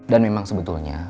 dan memang sebetulnya